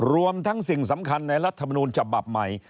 รวมทั้งสิ่งสำคัญในรัฐมนูลฉบับใหม่